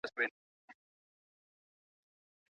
په قلم لیکنه کول د ستړیا سره د مبارزې تمرین دی.